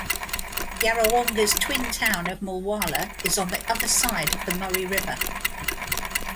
Yarrawonga's twin town of Mulwala is on the other side of the Murray River.